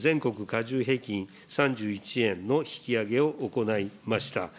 加重平均３１円の引き上げを行いました。